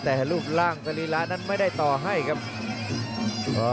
แต่รูปร่างสรีระนั้นไม่ได้ต่อให้ครับ